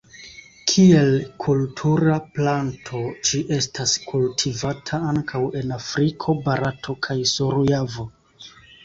Kiel kultura planto ĝi estas kultivata ankaŭ en Afriko, Barato kaj sur Javo.